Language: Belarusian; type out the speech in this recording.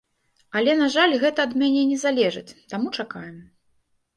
Але, на жаль, гэта ад мяне не залежыць, таму чакаем.